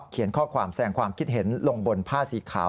เขียนข้อความแสดงความคิดเห็นลงบนผ้าสีขาว